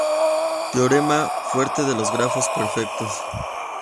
Teorema fuerte de los grafos perfectos.